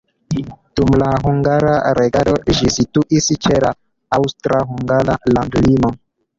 Dum la hungara regado ĝi situis ĉe la aŭstra-hungara landlimo.